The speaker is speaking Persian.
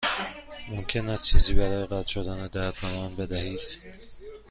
ممکن است چیزی برای قطع شدن درد به من بدهید؟